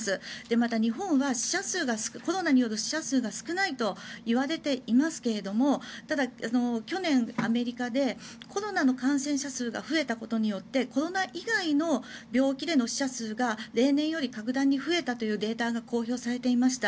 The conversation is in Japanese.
また、日本はコロナによる死者数が少ないといわれていますがただ、去年アメリカでコロナの感染者数が増えたことによってコロナ以外の病気での死者数が例年より格段に増えたというデータが公表されていました。